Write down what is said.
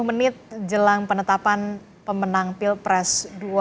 sepuluh menit jelang penetapan pemenang pilpres dua ribu dua puluh empat